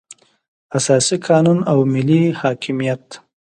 اساسي قانون او ملي حاکمیت.